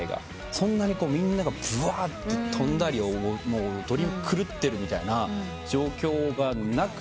そんなにみんながぶわーっと跳んだり踊り狂ってるみたいな状況がなくて。